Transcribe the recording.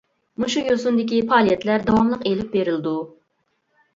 مۇشۇ يوسۇندىكى پائالىيەتلەر داۋاملىق ئېلىپ بېرىلىدۇ!